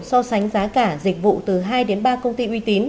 so sánh giá cả dịch vụ từ hai đến ba công ty uy tín